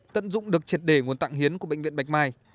tận dụng được triệt để nguồn tạng hiến của bệnh viện bạch mai